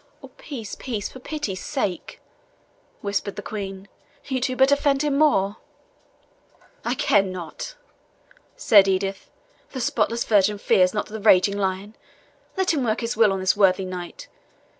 "Oh, peace, peace, for pity's sake," whispered the Queen, "you do but offend him more!" "I care not," said Edith; "the spotless virgin fears not the raging lion. Let him work his will on this worthy knight.